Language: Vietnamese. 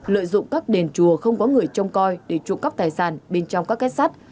lợi dụng các đền chùa không có người trong coi để trụ cắp tài sản bên trong các kết sát